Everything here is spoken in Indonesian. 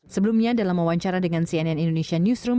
sebelumnya dalam wawancara dengan cnn indonesia newsroom